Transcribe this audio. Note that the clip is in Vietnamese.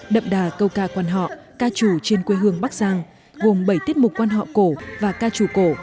đậm đà câu ca quan họ ca trù trên quê hương bắc giang gồm bảy tiết mục quan họ cổ và ca trù cổ